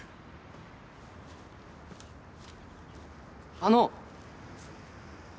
あの！